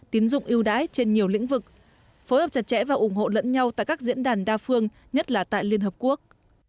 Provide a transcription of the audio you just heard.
tín dụng yêu đái trên nhiều lĩnh vực phối hợp chặt chẽ và ủng hộ lẫn nhau tại các diễn đàn đa phương nhất là tại liên hợp quốc